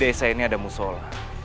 di desa ini ada musol